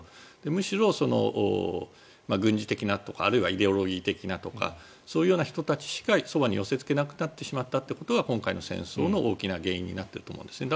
むしろ、軍事的なとかあるいはイデオロギー的なとかそういうような人たちしかそばに寄せつけなくなってしまったことが今回の戦争の大きな原因になっていると思うんですね。